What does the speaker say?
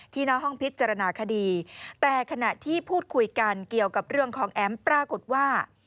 หน้าห้องพิจารณาคดีแต่ขณะที่พูดคุยกันเกี่ยวกับเรื่องของแอมป์ปรากฏว่า